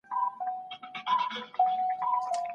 ښایي ړوند سړی د ږیري سره ډېري مڼې وخوري.